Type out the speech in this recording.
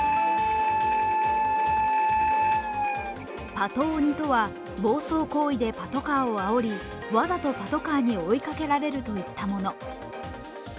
パト鬼とは、暴走行為でパトカーをあおりわざとパトカーに追い掛けられるといったもの。